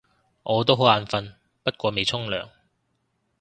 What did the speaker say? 我都好眼瞓，不過未沖涼